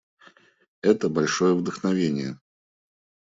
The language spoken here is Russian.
Это — большое вдохновение!